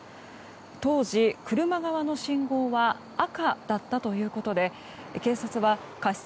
当時、車側の信号は赤だったということで警察は過失